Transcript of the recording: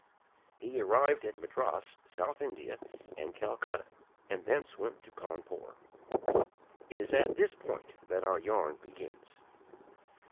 He arrived at Madras (South India) and Calcutta and thence went to Cawnpore. It is at this point that our yarn begins.